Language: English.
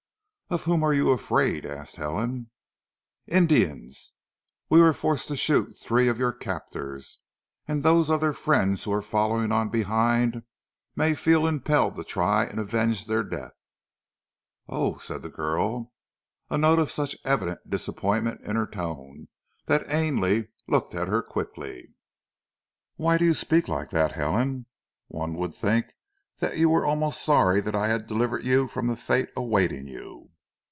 "Of whom are you afraid?" asked Helen. "Indians! We were forced to shoot three of your captors; and those of their friends who were following on behind may feel impelled to try and avenge their deaths." "Oh!" said the girl; a note of such evident disappointment in her tone, that Ainley looked at her quickly. "Why do you speak like that, Helen? One would think that you were almost sorry that I had delivered you from the fate awaiting you."